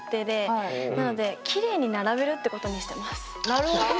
なるほどね。